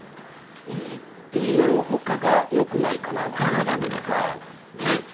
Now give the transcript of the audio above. いいっていうよりも他がよくないかな。